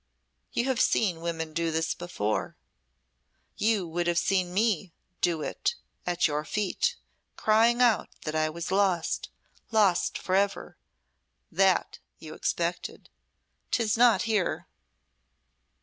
You have seen women do this before, you would have seen me do it at your feet crying out that I was lost lost for ever. That you expected! 'Tis not here."